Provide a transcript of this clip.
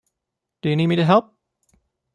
Do you need me to help?